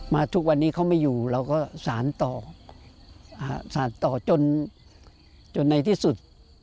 ทุกวันนี้เขาไม่อยู่เราก็สารต่อสารต่อจนจนในที่สุด